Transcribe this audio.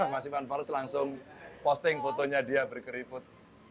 mas iwan fals langsung posting fotonya dia berkeriput